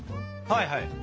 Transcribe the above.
はいはい。